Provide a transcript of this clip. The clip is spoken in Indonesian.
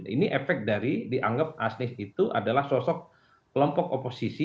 ini efek dari dianggap asnis itu adalah sosok kelompok oposisi